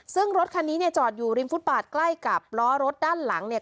ซึ่งรถคันนี้เนี่ยจอดอยู่ริมฟุตบาทใกล้กับล้อรถด้านหลังเนี่ย